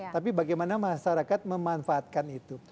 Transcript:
tapi bagaimana masyarakat memanfaatkan itu